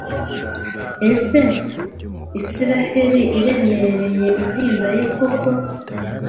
Ese Isiraheli iremereye intimba ye koko